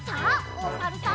おさるさん。